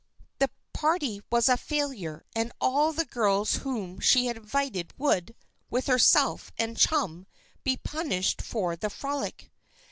The party was a failure and all the girls whom she had invited would, with herself and chum, be punished for the frolic.